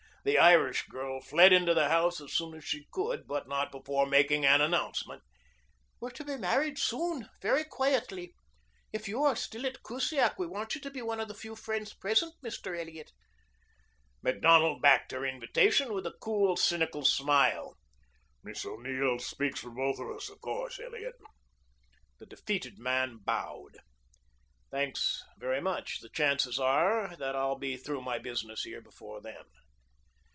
The Irish girl fled into the house as soon as she could, but not before making an announcement. "We're to be married soon, very quietly. If you are still at Kusiak we want you to be one of the few friends present, Mr. Elliot." Macdonald backed her invitation with a cool, cynical smile. "Miss O'Neill speaks for us both, of course, Elliot." The defeated man bowed. "Thanks very much. The chances are that I'll be through my business here before then."